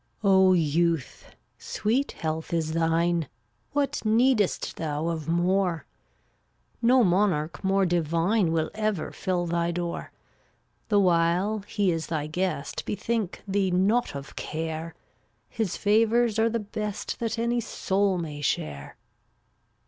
394 O youth! sweet health is thine; What needest thou of more? No monarch more divine Will ever fill thy door. The while he is thy guest Bethink thee not of care; His favors are the best That any soul may share.